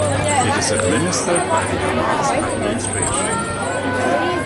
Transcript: It is administered by the Hamas administration.